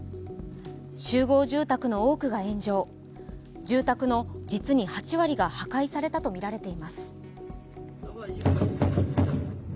集合住宅の多くが炎上住宅の実に８割が破壊されたとみられています。